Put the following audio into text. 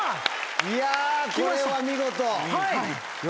いやこれは見事。